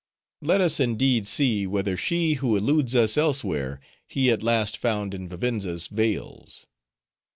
Let us indeed see, whether she who eludes us elsewhere, he at last found in Vivenza's vales."